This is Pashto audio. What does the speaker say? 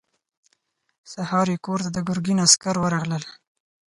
سهار يې کور ته د ګرګين عسکر ورغلل.